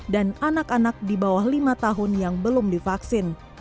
dan anak anak di bawah lima tahun yang belum divaksin